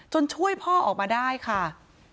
ช่วยพ่อออกมาได้ค่ะ